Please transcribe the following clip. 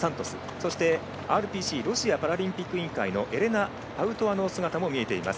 そして、ＲＰＣ＝ロシア・パラリンピック委員会のエレナ・パウトワの姿も見えています。